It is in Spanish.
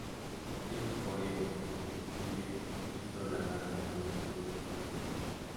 Es por ello que Ingres quiso agradar a Napoleón con esta temática.